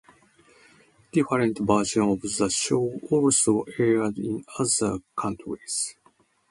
Different versions of the show also aired in other countries.